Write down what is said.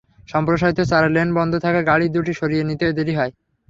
সম্প্রসারিত চার লেন বন্ধ থাকায় গাড়ি দুটি সরিয়ে নিতে দেরি হয়।